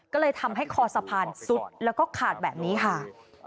ก็เลยทำให้คอสะพานซุดแล้วก็ขาดแบบนี้ค่ะ